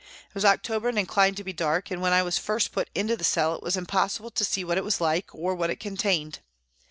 It was October and inclined to be dark, and when I was first put into the cell it was impossible to see what it was like or what it contained.